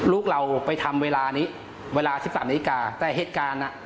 ลูกเราไปทำเวลานี้เวลาสิบสามนาฬิกาแต่เหตุการณ์อ่ะ